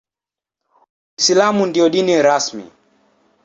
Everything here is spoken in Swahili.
Uislamu ndio dini rasmi.